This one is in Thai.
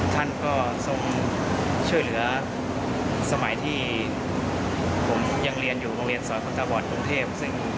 ท่านก็ทรงช่วยเหลือสมัยที่ผมยังเรียนอยู่โรงเรียนสอนคนตาบอดกรุงเทพ